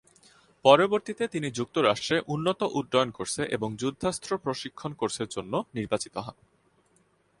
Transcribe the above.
পরবর্তীতে তিনি যুক্তরাষ্ট্রে উন্নত উড্ডয়ন কোর্সে এবং যুদ্ধাস্ত্র প্রশিক্ষণ কোর্সের জন্য নির্বাচিত হন।